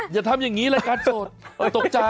เยอะเยี่ยม